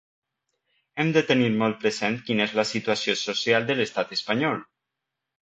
Hem de tenir molt present quina és la situació social de l’estat espanyol.